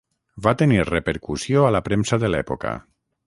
Va tenir repercussió a la premsa de l'època.